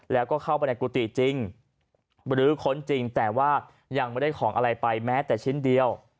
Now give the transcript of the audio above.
แล้วก็เข้าไปในกุฏิจริงหรือค้นจริงแต่ว่ายังไม่ได้ของอะไรไปแม้แต่ชิ้นเดียว